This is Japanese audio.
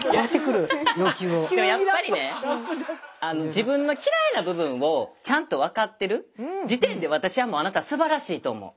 自分の嫌いな部分をちゃんと分かってる時点で私はもうあなたすばらしいと思う。